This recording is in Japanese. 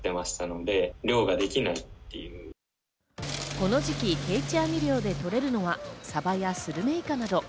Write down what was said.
この時期、定置網漁で取れるのはサバやスルメイカなど。